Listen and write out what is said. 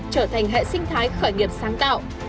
trở thành hệ sinh thái khởi nghiệp sáng tạo